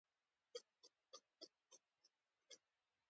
راکټ د سیاسي ځواک توازن جوړوي